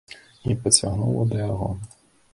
І пацягнула да яго.